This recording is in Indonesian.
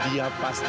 dia pasti mati